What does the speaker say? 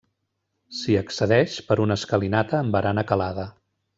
S'hi accedeix per una escalinata amb barana calada.